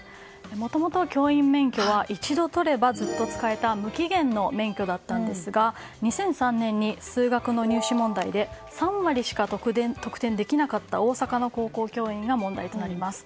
もともと教員免許は一度取ればずっと使えた無期限の免許だったんですが２００３年に数学の入試問題で３割しか得点できなかった大阪の高校教員が問題となります。